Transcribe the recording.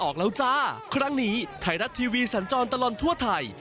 ครั้งนี้ไทยรัฐทีวีสัญจรตลอดทั่วไทย